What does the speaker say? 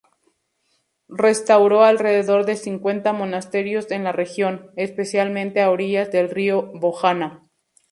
Restauró alrededor de cincuenta monasterios en la región, especialmente a orillas del río Bojana.